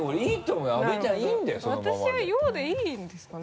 私は陽でいいんですかね？